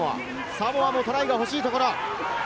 サモアもトライが欲しいところ。